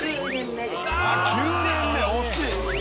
あっ９年目惜しい。